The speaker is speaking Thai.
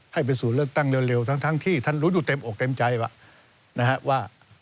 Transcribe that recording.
ให้ไปสู่เลือกตั้งเร็วทั้งที่ท่านรู้อยู่เต็มอกเต็มใจว่านะฮะว่า